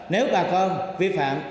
nếu bà con vi phạm